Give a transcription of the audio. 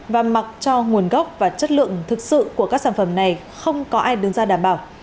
và mặc cho nguồn gốc và chất lượng thực sự của các sản phẩm này không có ai đứng ra đảm bảo